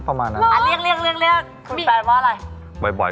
ก็ประมาณเทือกนั้นแล้วครับ